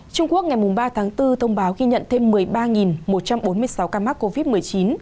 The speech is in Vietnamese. trung quốc ngày ba tháng bốn thông báo ghi nhận thêm một mươi ba một trăm bốn mươi sáu ca mắc covid một mươi chín